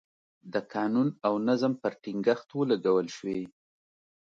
د قانون او نظم پر ټینګښت ولګول شوې.